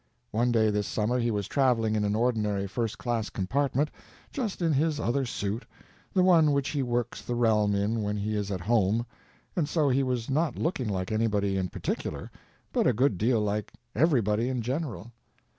One day this summer he was traveling in an ordinary first class compartment, just in his other suit, the one which he works the realm in when he is at home, and so he was not looking like anybody in particular, but a good deal like everybody in general.